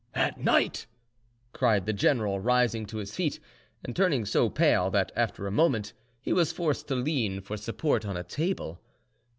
"At night!" cried the general, rising to his feet, and turning so pale that, after a moment, he was forced to lean for support on a table.